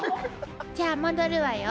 じゃあ戻るわよ。